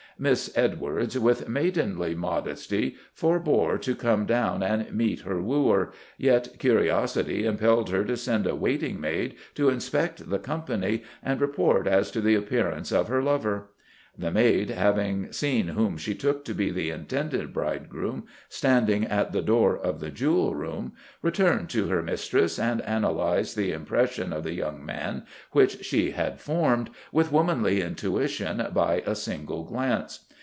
Miss Edwards, with maidenly modesty, forbore to come down and meet her wooer, yet curiosity impelled her to send a waiting maid to inspect the company and report as to the appearance of her lover. The maid, having seen whom she took to be the intended bridegroom standing at the door of the Jewel room, returned to her mistress and analysed the impression of the young man which she had formed, with womanly intuition, by a single glance.